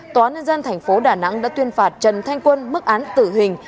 tòa nhân dân thành phố đà nẵng đã tuyên phạt trần thanh quân mức án tử hình